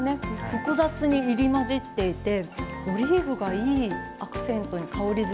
複雑に入りまじっていてオリーブがいいアクセントに香りづけになってます。